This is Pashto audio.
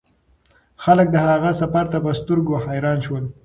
خلک د هغه سفر ته په سترګو حیران شول.